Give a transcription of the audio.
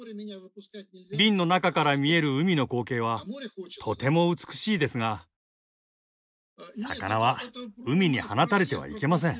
瓶の中から見える海の光景はとても美しいですが魚は海に放たれてはいけません。